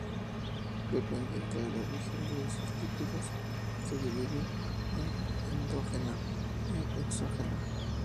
Dependiendo del origen de esos lípidos, se divide en endógena y exógena.